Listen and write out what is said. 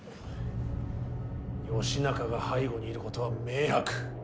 義仲が背後にいることは明白。